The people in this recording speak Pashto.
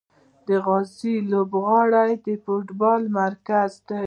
د غازي لوبغالی د فوټبال مرکز دی.